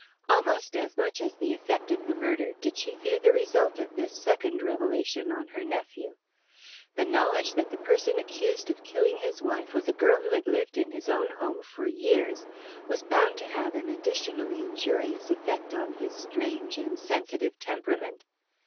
Almost as much as the effect of the murder did she fear the result of this second revelation on her nephew. The knowledge that the person accused of killing his wife was a girl who had lived in his own home for years was bound to have an additionally injurious effect on his strange and sensitive temperament.